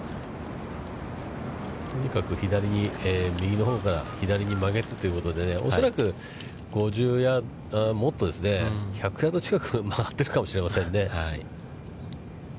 とにかく右のほうから左に曲げるということで、恐らく、５０ヤード、もっとですね、１００ヤード近く回ってるかもしれませんね。